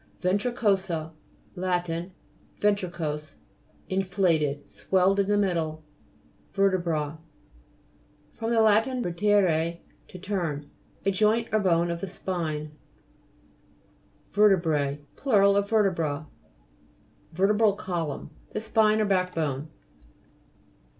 VENTRICO'SA Lat. Ventricose ; in flated, swelled in the middle. VE'RTEBRA fr. lat. vertere, to turn. A joint or bone of the spine. VE'RTEBRA Plur. of vertebra. VE'RTEBRAL COLUMN The spine or back bone.